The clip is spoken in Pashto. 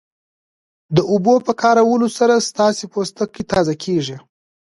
د اوبو په کارولو سره ستاسو پوستکی تازه کیږي